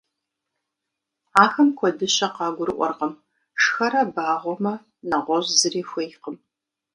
Ахэм куэдыщэ къагурыӀуэркъым, шхэрэ багъуэмэ, нэгъуэщӀ зыри хуейкъым.